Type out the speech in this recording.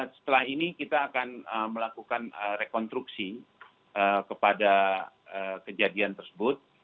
setelah ini kita akan melakukan rekonstruksi kepada kejadian tersebut